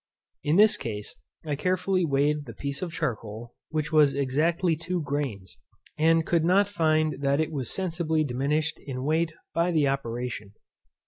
In this case, I carefully weighed the piece of charcoal, which was exactly two grains, and could not find that it was sensibly diminished in weight by the operation.